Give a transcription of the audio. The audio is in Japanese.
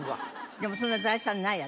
でもそんな財産ないよ